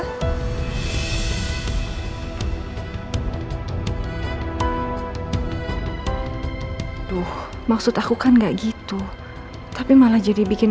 kamu juga punya punya anakuarianuard yang cukup